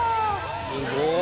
すごい。